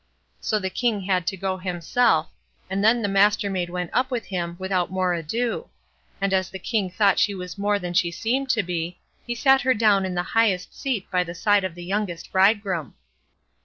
So the King had to go himself, and then the Mastermaid went up with him without more ado; and as the King thought she was more than she seemed to be, he sat her down in the highest seat by the side of the youngest bridegroom.